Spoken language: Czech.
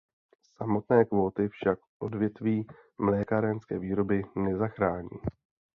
Samotné kvóty však odvětví mlékárenské výroby nezachrání.